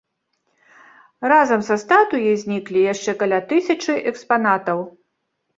Разам са статуяй зніклі яшчэ каля тысячы экспанатаў.